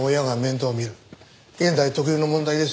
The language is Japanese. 現代特有の問題ですよ。